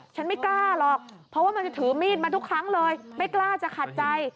ไม่กล้าหรอกเพราะว่ามันจะถือมีดมาทุกครั้งเลยไม่กล้าจะขัดใจ